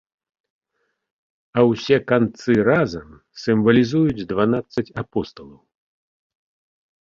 А ўсе канцы разам сімвалізуюць дванаццаць апосталаў.